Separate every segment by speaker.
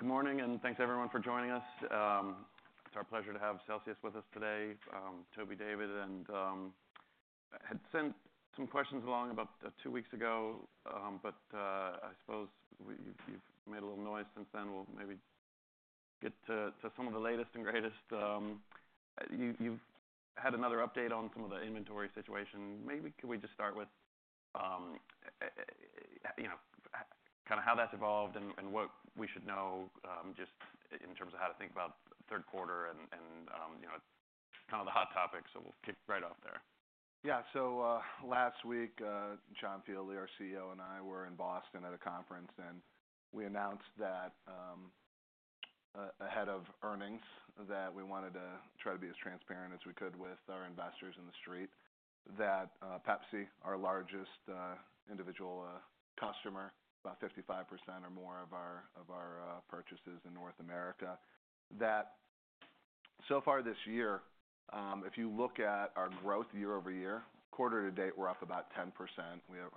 Speaker 1: Well, good morning, and thanks everyone for joining us. It's our pleasure to have Celsius with us today. Toby David and had sent some questions along about two weeks ago, but I suppose you've made a little noise since then. We'll maybe get to some of the latest and greatest. You've had another update on some of the inventory situation. Maybe could we just start with you know kind of how that's evolved and what we should know just in terms of how to think about third quarter and you know kind of the hot topics, so we'll kick right off there.
Speaker 2: Yeah. So, last week, John Fieldly, our CEO, and I were in Boston at a conference, and we announced that, ahead of earnings, that we wanted to try to be as transparent as we could with our investors in the street. That, Pepsi, our largest individual customer, about 55% or more of our purchases in North America, that so far this year, if you look at our growth year over year, quarter to date, we're up about 10%.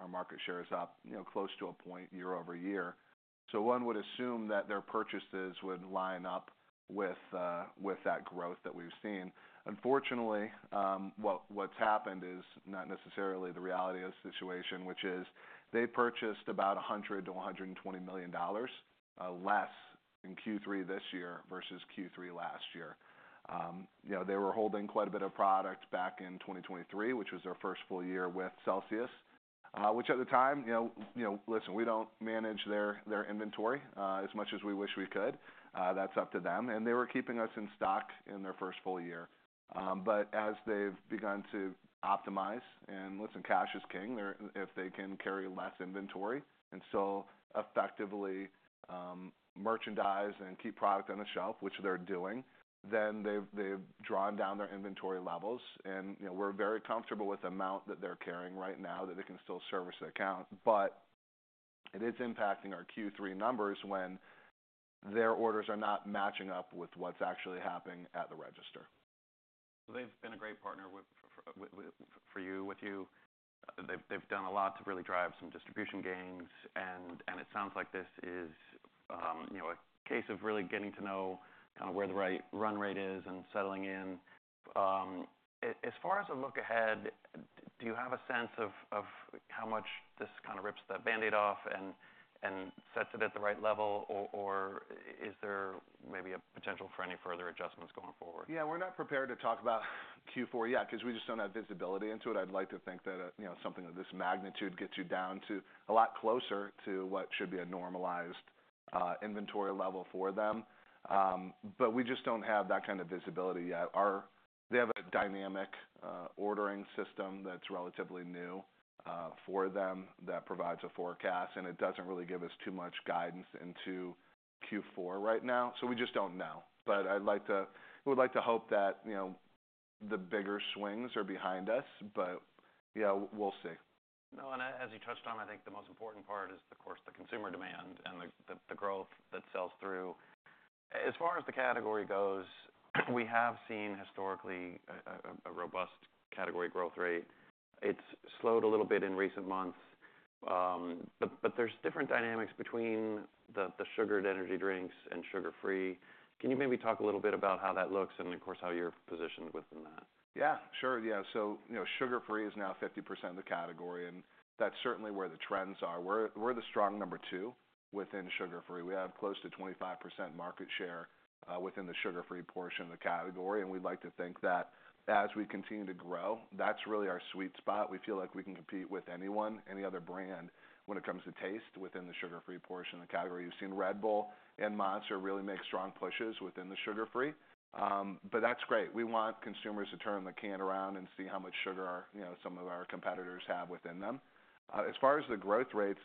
Speaker 2: Our market share is up, you know, close to a point year over year. So one would assume that their purchases would line up with that growth that we've seen. Unfortunately, what's happened is not necessarily the reality of the situation, which is they purchased about $100 million-$120 million less in Q3 this year versus Q3 last year. You know, they were holding quite a bit of product back in 2023, which was their first full year with Celsius. Which at the time, you know, listen, we don't manage their inventory as much as we wish we could. That's up to them, and they were keeping us in stock in their first full year. But as they've begun to optimize and listen, cash is king, they're... If they can carry less inventory and so effectively merchandise and keep product on the shelf, which they're doing, then they've drawn down their inventory levels. You know, we're very comfortable with the amount that they're carrying right now, that they can still service the account. It is impacting our Q3 numbers when their orders are not matching up with what's actually happening at the register. So they've been a great partner with for you, with you. They've done a lot to really drive some distribution gains, and it sounds like this is, you know, a case of really getting to know kind of where the right run rate is and settling in. As far as a look ahead, do you have a sense of how much this kind of rips the band-aid off and sets it at the right level? Or is there maybe a potential for any further adjustments going forward? Yeah, we're not prepared to talk about Q4 yet, 'cause we just don't have visibility into it. I'd like to think that, you know, something of this magnitude gets you down to a lot closer to what should be a normalized inventory level for them. But we just don't have that kind of visibility yet. They have a dynamic ordering system that's relatively new for them, that provides a forecast, and it doesn't really give us too much guidance into Q4 right now, so we just don't know. But I'd like to, we'd like to hope that, you know, the bigger swings are behind us, but yeah, we'll see. No, and as you touched on, I think the most important part is, of course, the consumer demand and the growth that sells through. As far as the category goes, we have seen historically a robust category growth rate. It's slowed a little bit in recent months, but there's different dynamics between the sugared energy drinks and sugar-free. Can you maybe talk a little bit about how that looks and, of course, how you're positioned within that? Yeah, sure. Yeah. So, you know, sugar-free is now 50% of the category, and that's certainly where the trends are. We're the strong number two within sugar-free. We have close to 25% market share within the sugar-free portion of the category, and we'd like to think that as we continue to grow, that's really our sweet spot. We feel like we can compete with anyone, any other brand, when it comes to taste within the sugar-free portion of the category. We've seen Red Bull and Monster really make strong pushes within the sugar-free. But that's great. We want consumers to turn the can around and see how much sugar, you know, some of our competitors have within them. As far as the growth rates,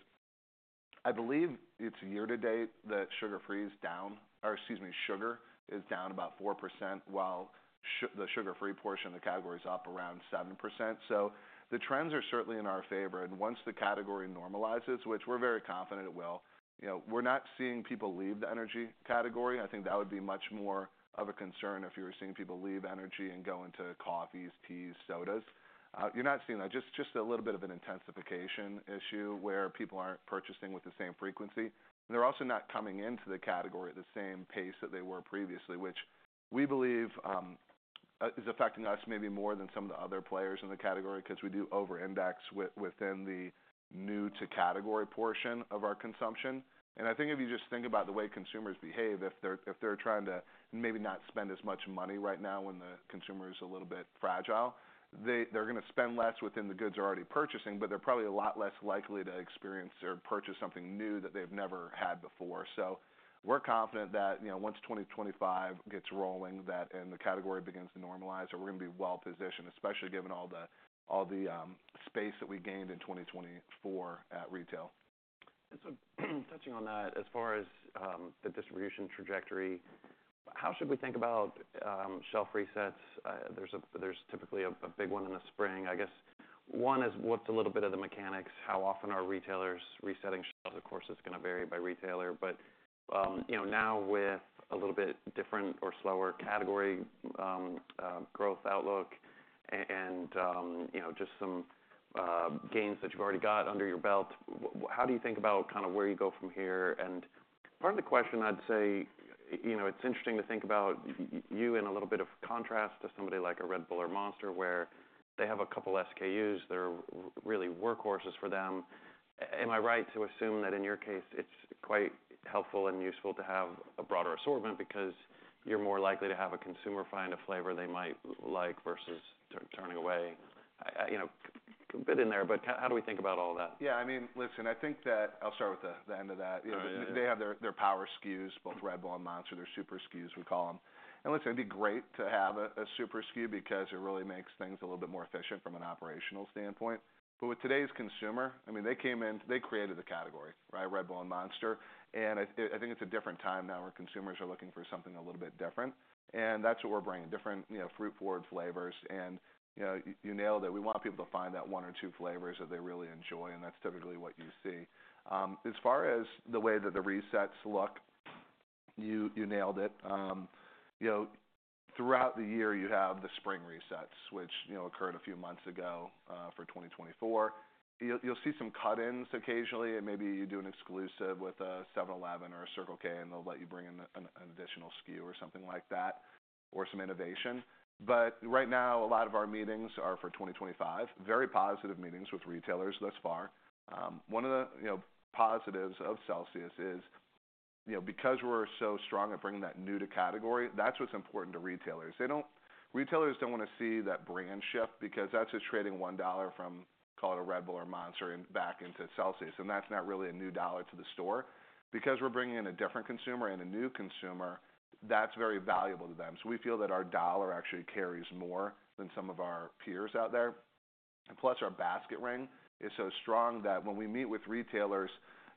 Speaker 2: I believe it's year to date, that sugar-free is down... Or excuse me, sugar is down about 4%, while the sugar-free portion of the category is up around 7%. So the trends are certainly in our favor, and once the category normalizes, which we're very confident it will, you know, we're not seeing people leave the energy category. I think that would be much more of a concern if we were seeing people leave energy and go into coffees, teas, sodas. You're not seeing that. Just a little bit of an intensification issue where people aren't purchasing with the same frequency. They're also not coming into the category at the same pace that they were previously, which we believe is affecting us maybe more than some of the other players in the category, 'cause we do over index within the new-to-category portion of our consumption. I think if you just think about the way consumers behave, if they're trying to maybe not spend as much money right now, when the consumer is a little bit fragile, they're gonna spend less within the goods they're already purchasing, but they're probably a lot less likely to experience or purchase something new that they've never had before. So we're confident that, you know, once 2025 gets rolling, that and the category begins to normalize, so we're gonna be well positioned, especially given all the space that we gained in 2024 at retail. Touching on that, as far as the distribution trajectory, how should we think about shelf resets? There's typically a big one in the spring. I guess one is, what's a little bit of the mechanics? How often are retailers resetting shelves? Of course, it's gonna vary by retailer, but you know, now with a little bit different or slower category growth outlook. You know, just some gains that you've already got under your belt. How do you think about kind of where you go from here? Part of the question, I'd say, you know, it's interesting to think about you in a little bit of contrast to somebody like a Red Bull or Monster, where they have a couple SKUs that are really workhorses for them. Am I right to assume that in your case, it's quite helpful and useful to have a broader assortment because you're more likely to have a consumer find a flavor they might like versus turning away? You know, but in there, but how do we think about all that? Yeah, I mean, listen, I think that I'll start with the end of that. Oh, yeah. They have their power SKUs, both Red Bull and Monster, their super SKUs, we call them. And listen, it'd be great to have a super SKU because it really makes things a little bit more efficient from an operational standpoint. But with today's consumer, I mean, they came in, they created the category, right? Red Bull and Monster. And I think it's a different time now, where consumers are looking for something a little bit different, and that's what we're bringing. Different, you know, fruit-forward flavors, and, you know, you nailed it. We want people to find that one or two flavors that they really enjoy, and that's typically what you see. As far as the way that the resets look, you nailed it. You know, throughout the year, you have the spring resets, which, you know, occurred a few months ago, for 2024. You'll see some cut-ins occasionally, and maybe you do an exclusive with a 7-Eleven or a Circle K, and they'll let you bring in an additional SKU or something like that, or some innovation. But right now, a lot of our meetings are for 2025. Very positive meetings with retailers thus far. One of the, you know, positives of Celsius is, you know, because we're so strong at bringing that new to category, that's what's important to retailers. They don't. Retailers don't want to see that brand shift, because that's just trading $1 from, call it a Red Bull or Monster, and back into Celsius, and that's not really a new dollar to the store. Because we're bringing in a different consumer and a new consumer, that's very valuable to them. So we feel that our dollar actually carries more than some of our peers out there. And plus, our basket ring is so strong that when we meet with retailers,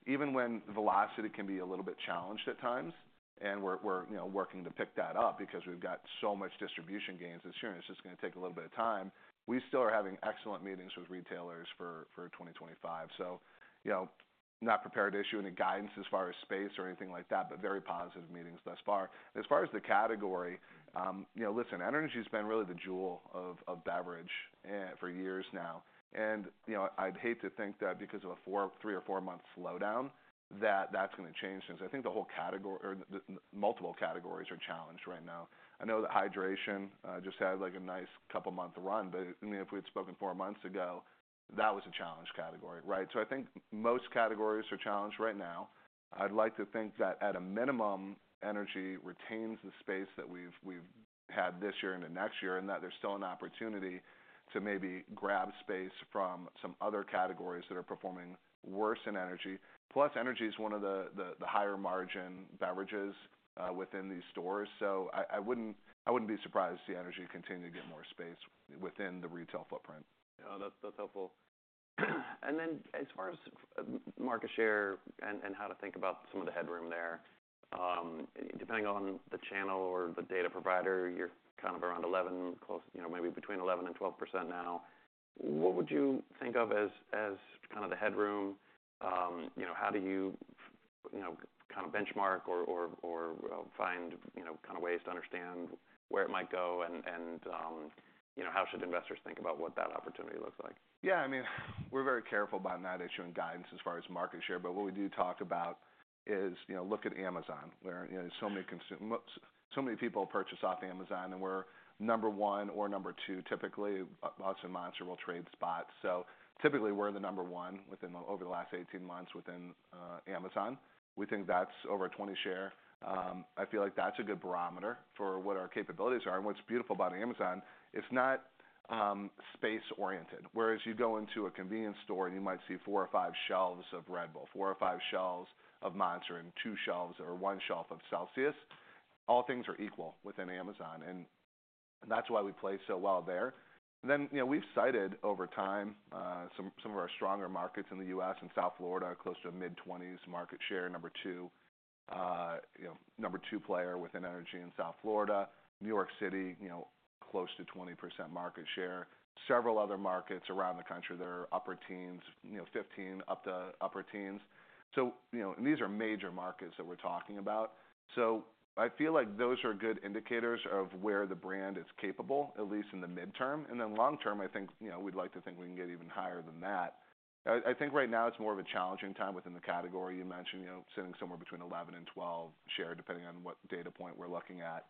Speaker 2: even when velocity can be a little bit challenged at times, and we're, you know, working to pick that up because we've got so much distribution gains this year, and it's just gonna take a little bit of time. We still are having excellent meetings with retailers for 2025. So, you know, not prepared to issue any guidance as far as space or anything like that, but very positive meetings thus far. As far as the category, you know, listen, energy's been really the jewel of beverage for years now. You know, I'd hate to think that because of a three or four-month slowdown, that that's gonna change things. I think the whole category, or the multiple categories are challenged right now. I know that hydration just had, like, a nice couple month run, but I mean, if we had spoken four months ago, that was a challenged category, right? So I think most categories are challenged right now. I'd like to think that at a minimum, energy retains the space that we've had this year into next year, and that there's still an opportunity to maybe grab space from some other categories that are performing worse than energy. Plus, energy is one of the higher margin beverages within these stores, so I wouldn't be surprised to see energy continue to get more space within the retail footprint. Yeah, that's helpful. And then, as far as market share and how to think about some of the headroom there, depending on the channel or the data provider, you're kind of around 11%, close. You know, maybe between 11% and 12% now. What would you think of as kind of the headroom? You know, how do you kind of benchmark or find ways to understand where it might go and how should investors think about what that opportunity looks like? Yeah, I mean, we're very careful about not issuing guidance as far as market share, but what we do talk about is, you know, look at Amazon, where, you know, so many people purchase off Amazon, and we're number one or number two, typically. Us and Monster will trade spots. So typically, we're the number one within, over the last eighteen months within, Amazon. We think that's over a 20% share. I feel like that's a good barometer for what our capabilities are. And what's beautiful about Amazon, it's not space-oriented. Whereas you go into a convenience store, and you might see four or five shelves of Red Bull, four or five shelves of Monster, and two shelves or one shelf of Celsius. All things are equal within Amazon, and that's why we play so well there. Then, you know, we've cited over time some of our stronger markets in the U.S. and South Florida, close to a mid-20% market share. Number two, you know, number two player within energy in South Florida. New York City, you know, close to 20% market share. Several other markets around the country that are upper teens%, you know, 15% up to upper teens%. So, you know, and these are major markets that we're talking about. So I feel like those are good indicators of where the brand is capable, at least in the midterm. And then long term, I think, you know, we'd like to think we can get even higher than that. I think right now it's more of a challenging time within the category. You mentioned, you know, sitting somewhere between 11% and 12% share, depending on what data point we're looking at.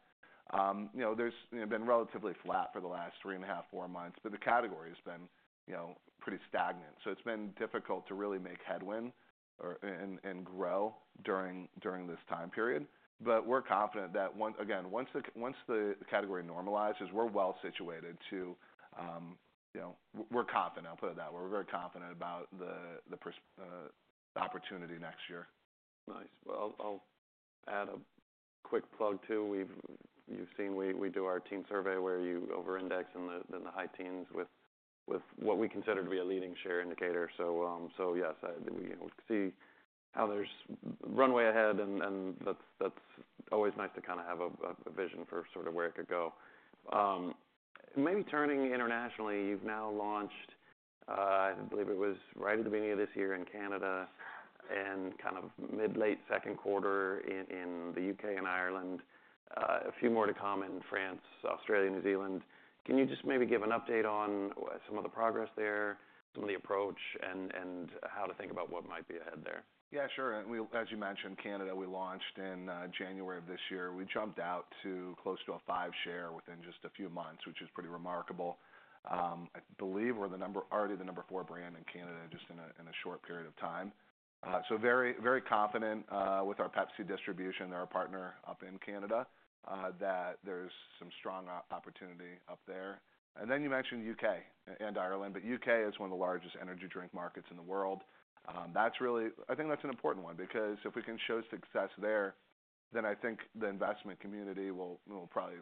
Speaker 2: You know, there's, you know, been relatively flat for the last three and a half, four months, but the category has been, you know, pretty stagnant. So it's been difficult to really make headway or and grow during this time period. But we're confident that, again, once the category normalizes, we're well situated to, you know. We're confident, I'll put it that way. We're very confident about the opportunity next year. Nice. Well, I'll add a quick plug, too. You've seen we do our team survey, where you overindex in the high teens with what we consider to be a leading share indicator. So, yes, we see how there's runway ahead, and that's always nice to kind of have a vision for sort of where it could go. Maybe turning internationally, you've now launched. I believe it was right at the beginning of this year in Canada and kind of mid-late second quarter in the U.K. and Ireland. A few more to come in France, Australia, New Zealand. Can you just maybe give an update on some of the progress there, some of the approach, and how to think about what might be ahead there? Yeah, sure. And, as you mentioned, Canada, we launched in January of this year. We jumped out to close to a 5 share within just a few months, which is pretty remarkable. I believe we're already the number four brand in Canada, just in a short period of time. So very, very confident with our Pepsi distribution and our partner up in Canada that there's some strong opportunity up there. And then you mentioned U.K. and Ireland, but U.K. is one of the largest energy drink markets in the world. That's really. I think that's an important one, because if we can show success there, then I think the investment community will probably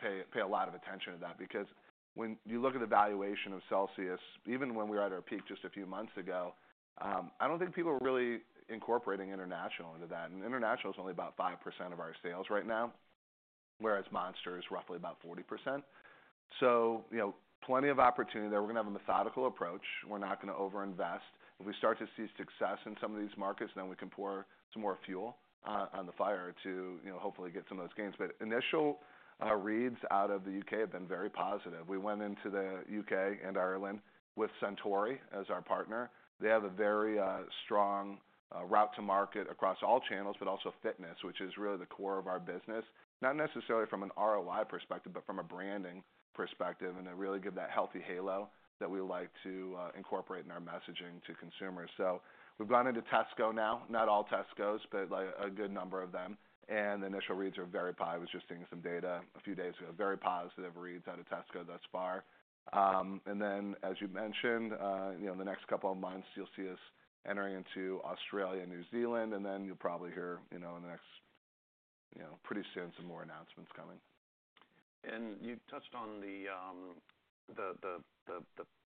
Speaker 2: pay a lot of attention to that. Because when you look at the valuation of Celsius, even when we were at our peak just a few months ago, I don't think people are really incorporating international into that, and international is only about 5% of our sales right now, whereas Monster is roughly about 40%. So, you know, plenty of opportunity there. We're gonna have a methodical approach. We're not gonna overinvest. If we start to see success in some of these markets, then we can pour some more fuel on the fire to, you know, hopefully get some of those gains. But initial reads out of the U.K. have been very positive. We went into the U.K. and Ireland with Suntory as our partner. They have a very strong route to market across all channels, but also fitness, which is really the core of our business. Not necessarily from an ROI perspective, but from a branding perspective, and they really give that healthy halo that we like to incorporate in our messaging to consumers. So we've gone into Tesco now. Not all Tescos, but, like, a good number of them, and the initial reads are very high. I was just seeing some data a few days ago, very positive reads out of Tesco thus far. And then, as you mentioned, you know, in the next couple of months, you'll see us entering into Australia and New Zealand, and then you'll probably hear, you know, in the next, you know, pretty soon, some more announcements coming. You touched on the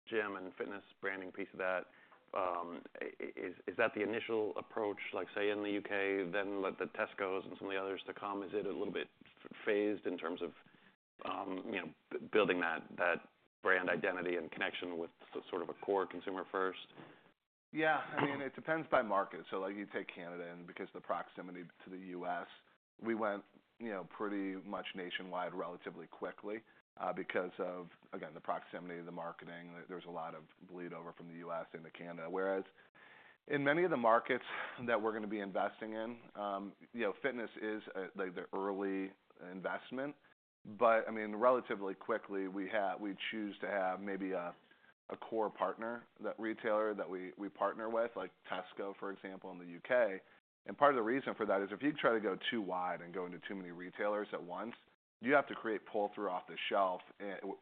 Speaker 2: gym and fitness branding piece of that. Is that the initial approach, like, say, in the U.K., then let the Tescos and some of the others to come? Is it a little bit phased in terms of, you know, building that brand identity and connection with sort of a core consumer first? Yeah. I mean, it depends by market. So, like, you take Canada, and because the proximity to the U.S., we went, you know, pretty much nationwide, relatively quickly, because of, again, the proximity, the marketing. There's a lot of bleed over from the U.S. into Canada. Whereas in many of the markets that we're gonna be investing in, you know, fitness is, like the early investment. But I mean, relatively quickly, we choose to have maybe a core partner, that retailer that we partner with, like Tesco, for example, in the U.K. And part of the reason for that is, if you try to go too wide and go into too many retailers at once, you have to create pull-through off-the-shelf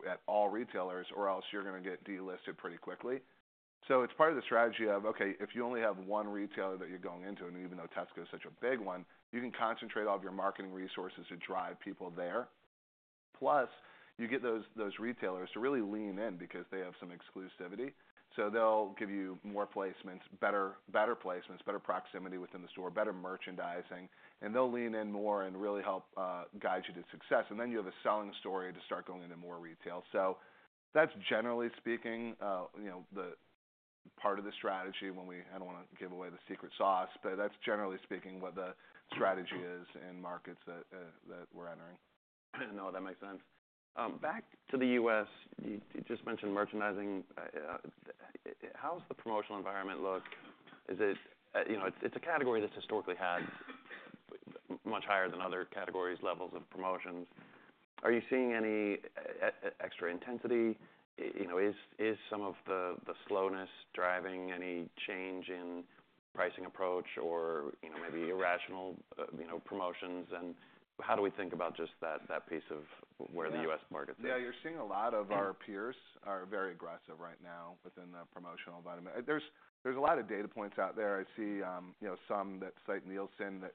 Speaker 2: at all retailers, or else you're gonna get delisted pretty quickly. So it's part of the strategy of, okay, if you only have one retailer that you're going into, and even though Tesco is such a big one, you can concentrate all of your marketing resources to drive people there. Plus, you get those retailers to really lean in because they have some exclusivity, so they'll give you more placements, better placements, better proximity within the store, better merchandising, and they'll lean in more and really help guide you to success. And then you have a selling story to start going into more retail. So that's generally speaking, you know, the part of the strategy when we... I don't wanna give away the secret sauce, but that's generally speaking, what the strategy is in markets that we're entering. No, that makes sense. Back to the U.S., you just mentioned merchandising. How does the promotional environment look? Is it, you know, it's a category that's historically had much higher than other categories, levels of promotions. Are you seeing any extra intensity? You know, is some of the slowness driving any change in pricing approach or, you know, maybe irrational, you know, promotions, and how do we think about just that piece of where the U.S. market is? Yeah, you're seeing a lot of our peers are very aggressive right now within the promotional environment. There's a lot of data points out there. I see, you know, some that cite Nielsen that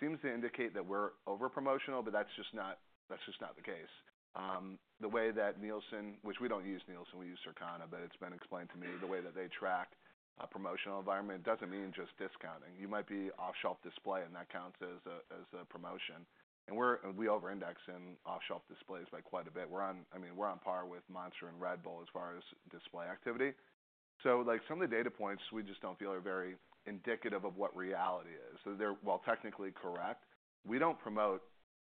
Speaker 2: seems to indicate that we're over promotional, but that's just not the case. The way that Nielsen, which we don't use Nielsen, we use Circana, but it's been explained to me, the way that they track a promotional environment doesn't mean just discounting. You might be off-shelf display, and that counts as a promotion. And we overindex in off-shelf displays by quite a bit. We're on, I mean, we're on par with Monster and Red Bull as far as display activity. So, like, some of the data points, we just don't feel are very indicative of what reality is. So they're, well, technically correct. We don't promote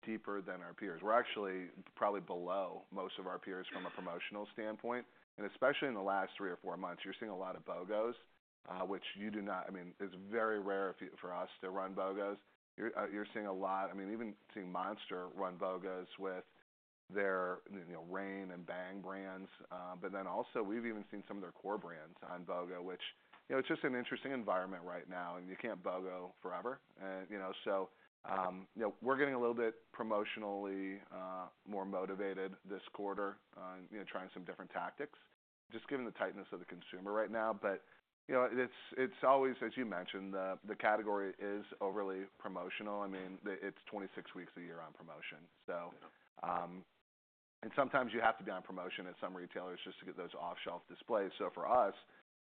Speaker 2: deeper than our peers. We're actually probably below most of our peers from a promotional standpoint, and especially in the last three or four months, you're seeing a lot of BOGOs. I mean, it's very rare for us to run BOGOs. You're seeing a lot. I mean, even seeing Monster run BOGOs with their, you know, Reign and Bang brands, but then also we've even seen some of their core brands on BOGO, which, you know, it's just an interesting environment right now, and you can't BOGO forever. You know, so, you know, we're getting a little bit promotionally more motivated this quarter, you know, trying some different tactics, just given the tightness of the consumer right now. You know, it's always, as you mentioned, the category is overly promotional. I mean, it's 26 weeks a year on promotion. So, and sometimes you have to be on promotion at some retailers just to get those off-shelf displays. So for us,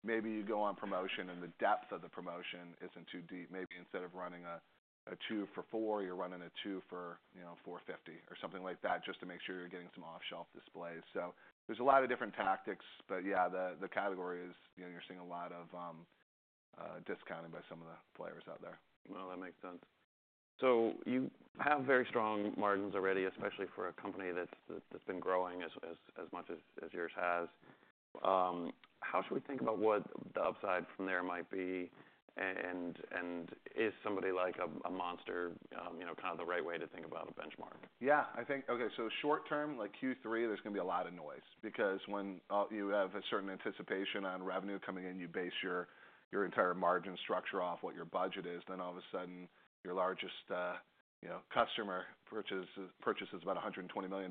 Speaker 2: maybe you go on promotion, and the depth of the promotion isn't too deep. Maybe instead of running a two for $4, you're running a two for, you know, $4.50 or something like that, just to make sure you're getting some off-shelf displays. So there's a lot of different tactics, but yeah, the category is, you know, you're seeing a lot of discounting by some of the players out there. That makes sense. You have very strong margins already, especially for a company that's been growing as much as yours has. How should we think about what the upside from there might be? And is somebody like a Monster you know kind of the right way to think about a benchmark? Yeah, I think. Okay, so short term, like Q3, there's gonna be a lot of noise because when you have a certain anticipation on revenue coming in, you base your entire margin structure off what your budget is, then all of a sudden, your largest customer purchases about $120 million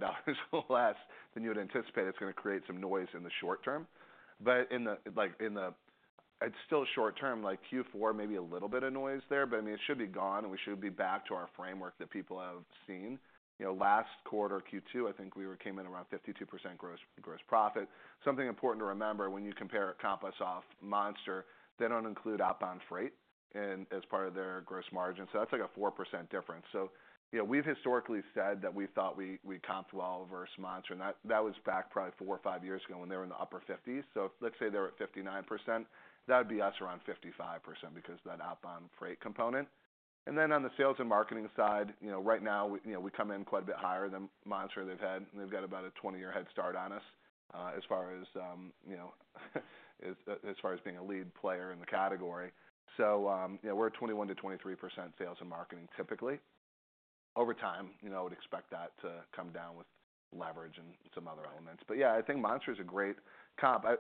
Speaker 2: less than you had anticipated. It's gonna create some noise in the short term, but in the. Like in the, it's still short term, like Q4, maybe a little bit of noise there, but, I mean, it should be gone, and we should be back to our framework that people have seen. You know, last quarter, Q2, I think we were came in around 52% gross profit. Something important to remember when you compare or comp us off Monster, they don't include outbound freight as part of their gross margin, so that's like a 4% difference. So, you know, we've historically said that we thought we comped well versus Monster, and that was back probably four or five years ago when they were in the upper 50s. So let's say they were at 59%, that would be us around 55% because of that outbound freight component. And then on the sales and marketing side, you know, right now, we come in quite a bit higher than Monster. They've got about a 20-year head start on us as far as being a lead player in the category. So, yeah, we're at 21%-23% sales and marketing, typically. Over time, you know, I would expect that to come down with leverage and some other elements. But yeah, I think Monster is a great comp. I...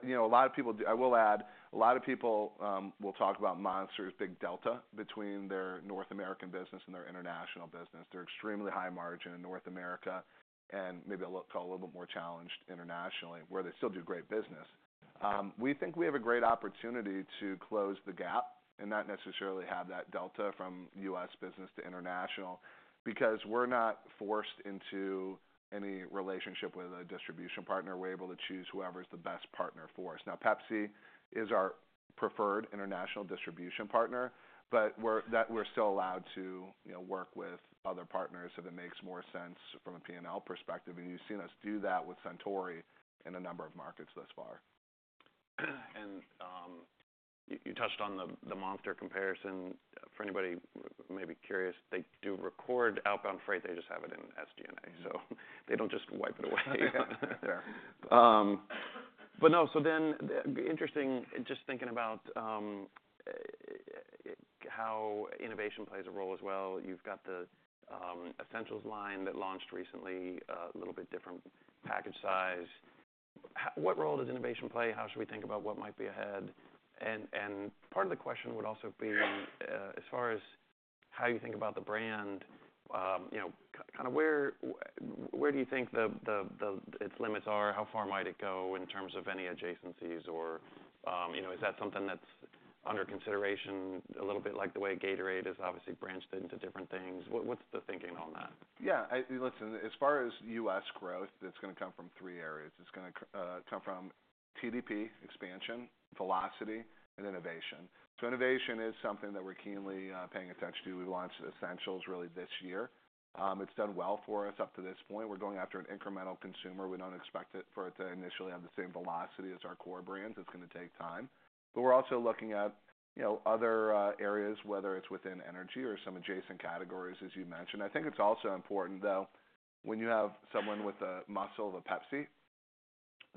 Speaker 2: You know, a lot of people, I will add, a lot of people, will talk about Monster's big delta between their North American business and their international business. They're extremely high margin in North America, and maybe a little, a little bit more challenged internationally, where they still do great business. We think we have a great opportunity to close the gap and not necessarily have that delta from US business to international, because we're not forced into any relationship with a distribution partner. We're able to choose whoever is the best partner for us. Now, Pepsi is our preferred international distribution partner, but we're still allowed to, you know, work with other partners if it makes more sense from a P&L perspective, and you've seen us do that with Suntory in a number of markets thus far. You touched on the Monster comparison. For anybody who may be curious, they do record outbound freight. They just have it in SG&A, so they don't just wipe it away. Yeah. But no, so then, interesting, just thinking about how innovation plays a role as well. You've got the Essentials line that launched recently, a little bit different package size. How... What role does innovation play? How should we think about what might be ahead? And part of the question would also be, as far as how you think about the brand, you know, kinda where do you think the its limits are? How far might it go in terms of any adjacencies, or, you know, is that something that's under consideration, a little bit like the way Gatorade has obviously branched into different things? What's the thinking on that? Yeah, Listen, as far as U.S. growth, it's gonna come from three areas. It's gonna come from TDP expansion, velocity, and innovation, so innovation is something that we're keenly paying attention to. We launched Essentials, really, this year. It's done well for us up to this point. We're going after an incremental consumer. We don't expect it, for it to initially have the same velocity as our core brands. It's gonna take time, but we're also looking at, you know, other areas, whether it's within energy or some adjacent categories, as you mentioned. I think it's also important, though, when you have someone with the muscle of a Pepsi,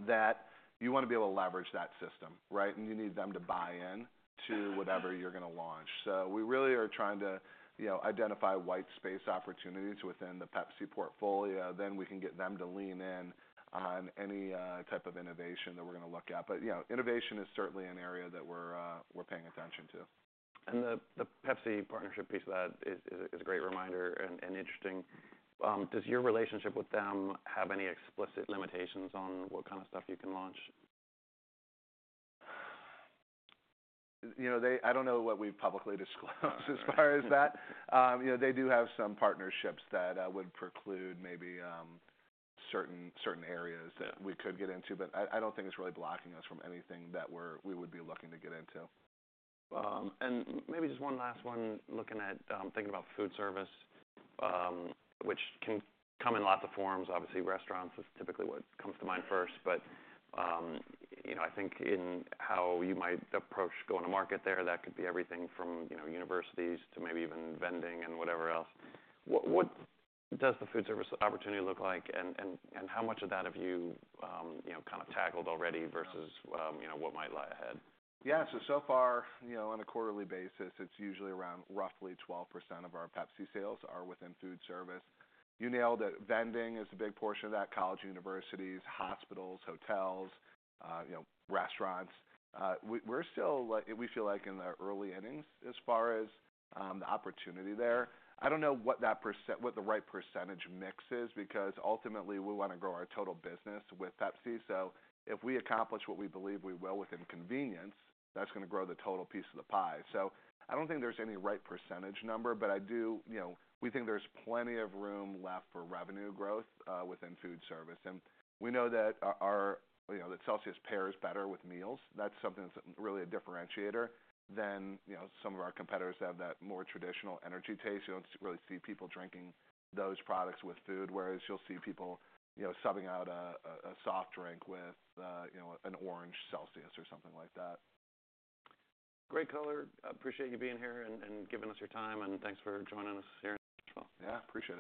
Speaker 2: that you wanna be able to leverage that system, right, and you need them to buy in to whatever you're gonna launch. So we really are trying to, you know, identify white space opportunities within the Pepsi portfolio. Then we can get them to lean in on any type of innovation that we're gonna look at. But, you know, innovation is certainly an area that we're paying attention to. And the Pepsi partnership piece of that is a great reminder and interesting. Does your relationship with them have any explicit limitations on what kind of stuff you can launch? You know, they... I don't know what we've publicly disclosed as far as that. Yeah. You know, they do have some partnerships that would preclude maybe certain areas- Yeah... that we could get into, but I don't think it's really blocking us from anything that we would be looking to get into. And maybe just one last one, looking at, thinking about food service, which can come in lots of forms. Obviously, restaurants is typically what comes to mind first. But, you know, I think in how you might approach going to market there, that could be everything from, you know, universities to maybe even vending and whatever else. What does the food service opportunity look like, and how much of that have you, you know, kind of tackled already versus, you know, what might lie ahead? Yeah. So far, you know, on a quarterly basis, it's usually around roughly 12% of our Pepsi sales are within food service. You nailed it. Vending is a big portion of that, college, universities, hospitals, hotels, you know, restaurants. We're still like, we feel like in the early innings, as far as the opportunity there. I don't know what the right percentage mix is, because ultimately, we wanna grow our total business with Pepsi. So if we accomplish what we believe we will within convenience, that's gonna grow the total piece of the pie. So I don't think there's any right percentage number, but I do. You know, we think there's plenty of room left for revenue growth within food service. And we know that our you know, the Celsius pairs better with meals. That's something that's really a differentiator than, you know, some of our competitors have that more traditional energy taste. You don't really see people drinking those products with food, whereas you'll see people, you know, subbing out a soft drink with, you know, an orange Celsius or something like that. Great color. I appreciate you being here and giving us your time, and thanks for joining us here as well. Yeah, appreciate it.